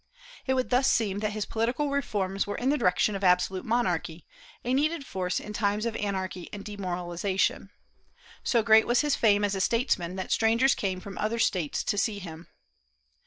It would thus seem that his political reforms were in the direction of absolute monarchy, a needed force in times of anarchy and demoralization. So great was his fame as a statesman that strangers came from other States to see him.